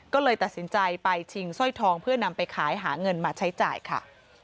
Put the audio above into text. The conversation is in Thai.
ก็เลยตัดสินใจไปชิงสร้อยทองเพื่อนำไปขายหาเงินมาใช้จ่ายค่ะ